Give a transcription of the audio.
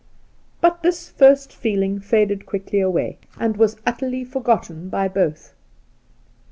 But this first feeling faded quickly away, and The Outspan was utterly forgotten by both.